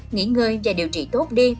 nghỉ ngơi và điều trị tốt đi